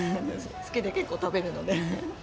好きで結構食べるので。